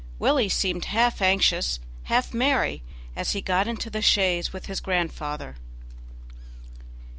Willie seemed half anxious, half merry, as he got into the chaise with his grandfather.